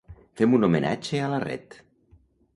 Fem un homenatge a la ret.